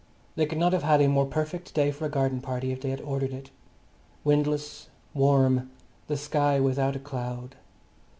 They could not have had a more perfect day for a garden party if they had ordered it. Windless, warm, the sky without a cloud.